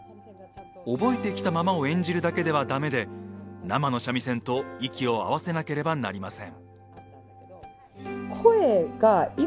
覚えてきたままを演じるだけでは駄目で生の三味線と息を合わせなければなりません。